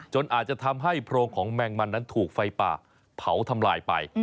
อาจจะทำให้โพรงของแมงมันนั้นถูกไฟป่าเผาทำลายไป